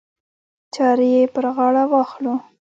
چارې یې پر غاړه واخلو.